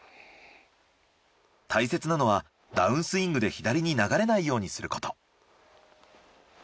大切なのはダウンスイングで左に流れないようにすること。